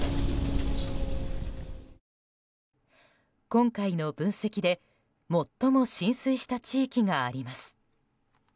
今回の分析で最も浸水した地域があります。